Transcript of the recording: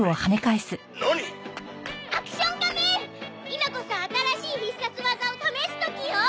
「今こそ新しい必殺技を試す時よ！」